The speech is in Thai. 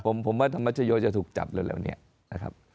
ผมผมว่าธรรมชโยชน์จะถูกจับเลยแล้วเนี้ยนะครับ